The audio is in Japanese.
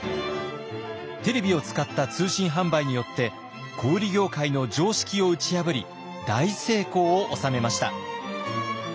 テレビを使った通信販売によって小売業界の常識を打ち破り大成功を収めました。